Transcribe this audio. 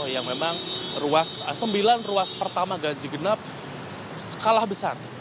yang memang sembilan ruas pertama ganjigenap skala besar